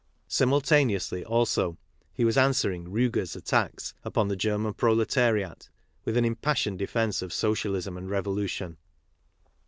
Simultaneously, alsoTTie was answering Ruge's'l attacks upon the German proletariat with an impassioned defence of socialism and revolution.